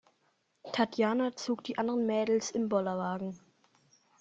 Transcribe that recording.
Tatjana zog die anderen Mädels im Bollerwagen.